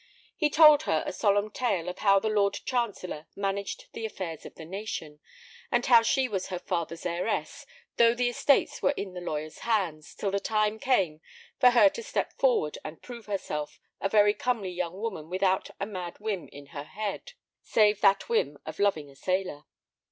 He told her a solemn tale of how the lord chancellor managed the affairs of the nation, and how she was her father's heiress, though the estates were in the lawyers' hands till the time came for her to step forward and prove herself a very comely young woman without a mad whim in her head, save that whim of loving a sailor.